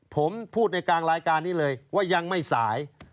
ผมพูดในกลางรายการนี้เลยว่ายังไม่สาย